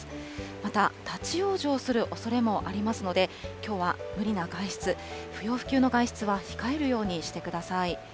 また、立往生するおそれもありますので、きょうは無理な外出、不要不急の外出は控えるようにしてください。